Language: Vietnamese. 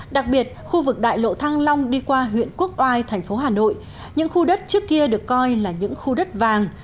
đặc biệt khu vực đại lộ thăng long đi qua huyện quốc oai thành phố hà nội những khu đất trước kia được coi là những khu đất vàng